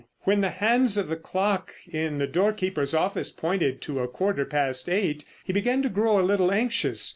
When the hands of the clock in the doorkeeper's office pointed to a quarter past eight, he began to grow a little anxious.